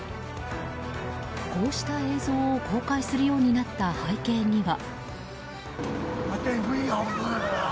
こうした映像を公開するようになった背景には。